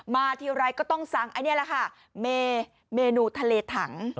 ทีไรก็ต้องสั่งอันนี้แหละค่ะเมนูทะเลถัง